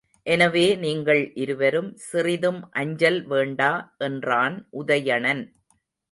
எனவே நீங்கள் இருவரும் சிறிதும் அஞ்சல் வேண்டா என்றான் உதயணன்.